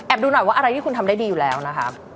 ดูหน่อยว่าอะไรที่คุณทำได้ดีอยู่แล้วนะครับ